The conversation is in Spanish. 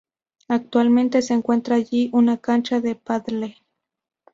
Actualmente se encuentra allí una cancha de paddle.